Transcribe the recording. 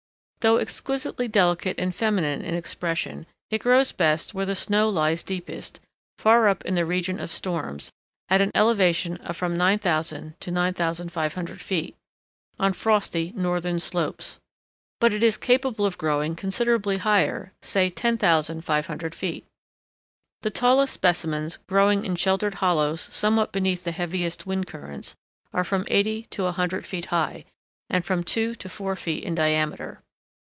Though exquisitely delicate and feminine in expression, it grows best where the snow lies deepest, far up in the region of storms, at an elevation of from 9000 to 9500 feet, on frosty northern slopes; but it is capable of growing considerably higher, say 10,500 feet. The tallest specimens, growing in sheltered hollows somewhat beneath the heaviest wind currents, are from eighty to a hundred feet high, and from two to four feet in diameter.